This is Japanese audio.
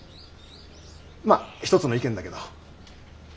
まあ一つの意見だけど。